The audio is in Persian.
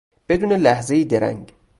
بدون لحظهای درنگ